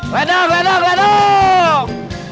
ledak ledak ledak